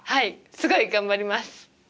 すごい頑張ります。